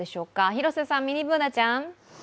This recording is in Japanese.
広瀬さん、ミニＢｏｏｎａちゃん！